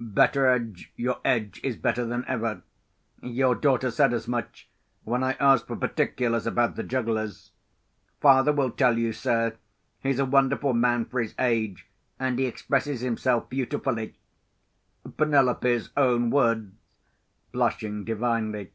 Betteredge, your edge is better than ever. Your daughter said as much, when I asked for particulars about the jugglers. 'Father will tell you, sir. He's a wonderful man for his age; and he expresses himself beautifully.' Penelope's own words—blushing divinely.